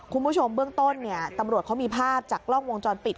คุณผู้ชมเบื้องต้นเนี่ยตำรวจเขามีภาพจากกล้องวงจรปิด